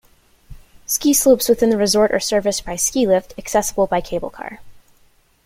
Ski slopes within the resort are serviced by ski lift, accessible by cable car.